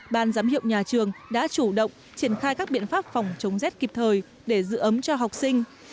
ban giám hiệu nhà trường đã chủ động triển khai các biện pháp phòng chống rét kịp thời để giữ ấm cho học sinh